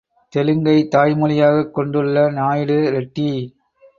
தெலுங்கைத் தாய்மொழியாகக்கொண்டுள்ள நாயுடு, ரெட்டி